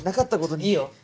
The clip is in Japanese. いいよ。